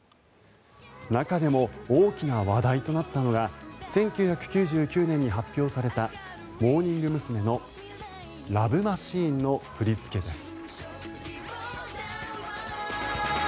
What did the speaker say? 中でも、大きな話題となったのが１９９９年に発表されたモーニング娘。の「ＬＯＶＥマシーン」の振り付けです。